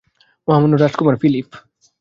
মহামান্য রাজকুমার ফিলিপ।